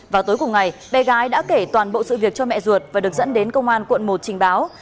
vào tối cùng ngày bé gái đã kể toàn bộ sự việc cho mẹ ruột và được dẫn đến công an quận một trình báo